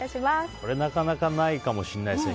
これなかなかないかもしれないですね。